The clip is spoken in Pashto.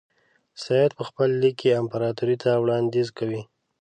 سید په خپل لیک کې امپراطور ته وړاندیز کوي.